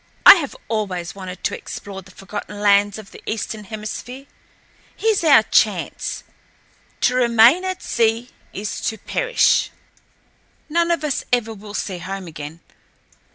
"I have always wanted to explore the forgotten lands of the Eastern Hemisphere. Here's our chance. To remain at sea is to perish. None of us ever will see home again.